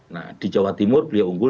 nah di jawa timur beliau unggul